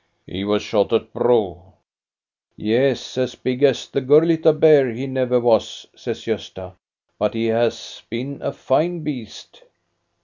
"" He was shot at Bro," " Yes, as big as the Gurlitta bear he never was," says Gosta, " but he has been a fine beast."